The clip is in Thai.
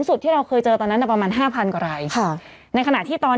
เพื่อไม่ให้เชื้อมันกระจายหรือว่าขยายตัวเพิ่มมากขึ้น